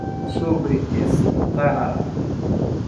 sobrestará